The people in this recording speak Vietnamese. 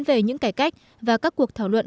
về những cải cách và các cuộc thảo luận